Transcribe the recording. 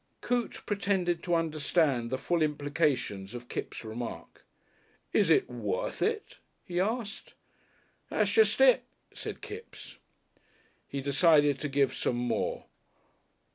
Coote pretended to understand the full implications of Kipps' remark. "Is it worth it?" he asked. "That's jest it," said Kipps. He decided to give some more.